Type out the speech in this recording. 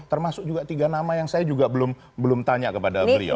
termasuk juga tiga nama yang saya juga belum tanya kepada beliau